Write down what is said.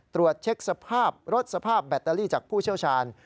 ตรวจเช็คสภาพรถสภาพแบตเตอรี่จากผู้เชี่ยวชาญ